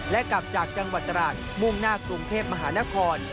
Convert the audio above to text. และกลับจากจังหวัดตราดมุ่งหน้ากรุงเทพมหานคร